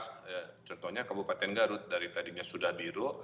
seperti di kota tenggarut dari tadinya sudah biru